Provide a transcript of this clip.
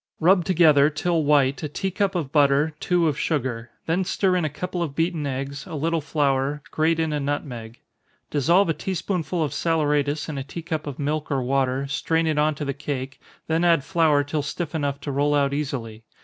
_ Rub together, till white, a tea cup of butter, two of sugar then stir in a couple of beaten eggs, a little flour, grate in a nutmeg dissolve a tea spoonful of saleratus in a tea cup of milk or water, strain it on to the cake, then add flour till stiff enough to roll out easily.